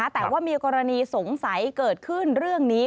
แต่ว่ามีกรณีสงสัยเกิดขึ้นเรื่องนี้